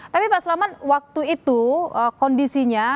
tapi pak selamat waktu itu kondisinya